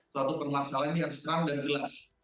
suatu permasalahan yang harus terang dan jelas